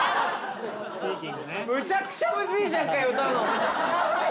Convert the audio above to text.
むちゃくちゃむずいじゃんかよ歌うの。